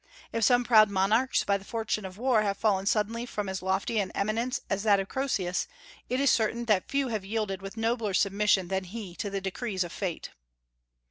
If some proud monarchs by the fortune of war have fallen suddenly from as lofty an eminence as that of Croesus, it is certain that few have yielded with nobler submission than he to the decrees of fate.